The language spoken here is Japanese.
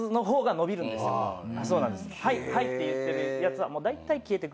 「はいはい」って言ってるやつはだいたい消えてく。